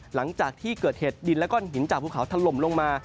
หลังจากที่เกิดเหตุดินและก้อนหินจากภูเขาถล่มลงมา